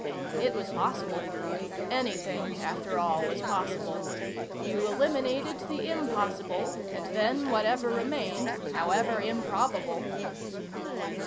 It was possible. Anything, after all, was possible. You eliminated the impossible, and then whatever remained, however improbable....